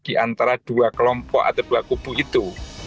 di antara dua kelompok atau dua kubu itu